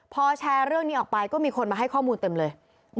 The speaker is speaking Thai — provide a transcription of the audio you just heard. พอแชร์เรื่องนี้ออกไปก็มีคนมาให้ข้อมูลเต็มเลย